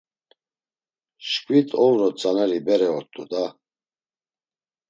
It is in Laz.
Şǩvitovro tzaneri bere ort̆u daa…